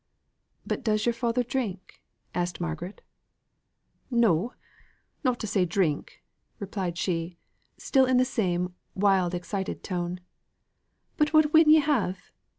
"But does your father drink?" said Margaret. "No not to say drink," replied she, still in the same wild excited tone. "But what win ye have?